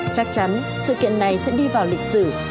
chắc chắn sự kiện này sẽ đi vào lịch sử